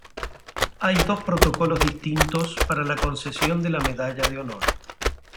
Hay dos protocolos distintos para la concesión de la Medalla de Honor.